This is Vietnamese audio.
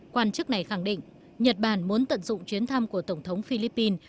quan chức này khẳng định nhật bản muốn tận dụng chuyến thăm của tổng thống philippines